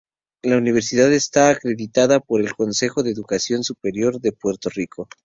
La universidad está acreditada por el Consejo de Educación Superior de Puerto Rico.